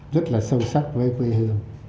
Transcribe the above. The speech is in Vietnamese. rất là sâu sắc với quê hương